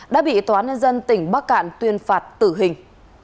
đã bị tòa ninh dân tỉnh bắc cạn tuyên phạt tử hình